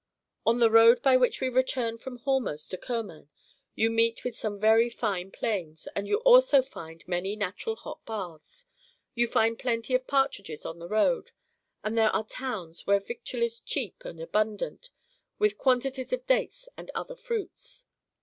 '^ On the road by which we return from Hormos to Kerman you meet with some very fine plains, and you also find many natural hot baths ; you find plenty of partridges on the road ; and there are towns where victual is cheap and abundant, with quantities of dates and other fruits.